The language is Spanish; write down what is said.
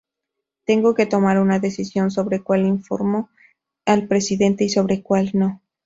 Tengo que tomar una decisión sobre cual informo al Presidente y sobre cual no.